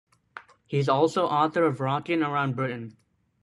He is also author of "Rockin' Around Britain".